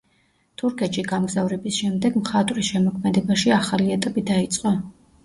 თურქეთში გამგზავრების შემდეგ მხატვრის შემოქმედებაში ახალი ეტაპი დაიწყო.